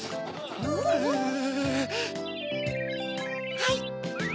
はい！